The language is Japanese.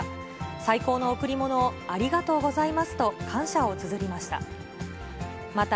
最高の贈り物をありがとうございます！と、感謝をつづりました。